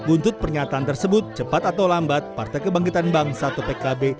untuk pernyataan tersebut cepat atau lambat partai kebangkitan bangsa atau pkb